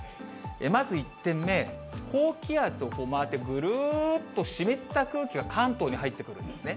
まず１点目、高気圧を回ってぐるっと湿った空気が関東に入ってくるんですね。